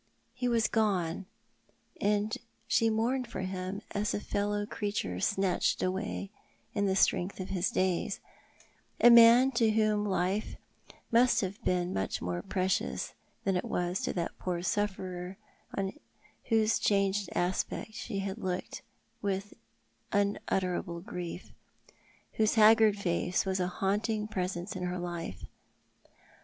He was gone, and she mourned for him as a fellow creature snatched away in the strength of his days— a man to whom life must have been much more precious than it was to that poor sufferer on whose changed aspect she had looked with tmutterable grief, whose haggard face was a haunting presence in her life.